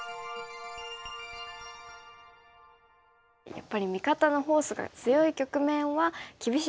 やっぱり味方のフォースが強い局面は厳しい攻めが効果的ですね。